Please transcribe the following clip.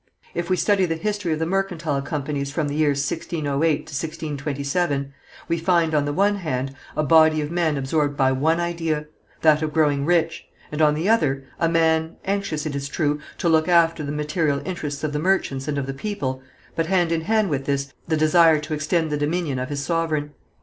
If we study the history of the mercantile companies from the years 1608 to 1627, we find on the one hand, a body of men absorbed by one idea, that of growing rich, and on the other hand, a man, anxious, it is true, to look after the material interests of the merchants and of the people, but hand in hand with this the desire to extend the dominion of his sovereign.